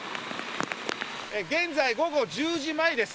現在、午後１０時前です。